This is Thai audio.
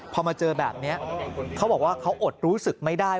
พอมาเจอแบบนี้เขาบอกว่าเขาอดรู้สึกไม่ได้